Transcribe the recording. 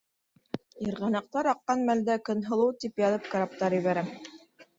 Йырғанаҡтар аҡҡан мәлдә «Көнһылыу» тип яҙып караптар ебәрәм.